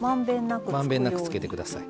まんべんなくつけてください。